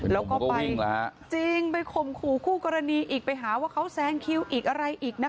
แล้วก็ไปจริงไปข่มขู่คู่กรณีอีกไปหาว่าเขาแซงคิวอีกอะไรอีกนะคะ